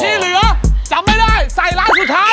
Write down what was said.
ที่เหลือจำไม่ได้ใส่ร้านสุดท้าย